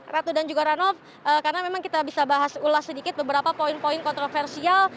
ratu dan juga ranov karena memang kita bisa bahas ulas sedikit beberapa poin poin kontroversial